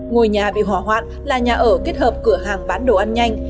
ngôi nhà bị hỏa hoạn là nhà ở kết hợp cửa hàng bán đồ ăn nhanh